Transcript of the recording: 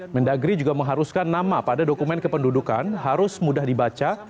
mendagri juga mengharuskan nama pada dokumen kependudukan harus mudah dibaca